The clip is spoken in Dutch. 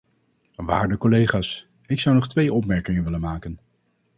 Waarde collega's, ik zou nog twee opmerkingen willen maken.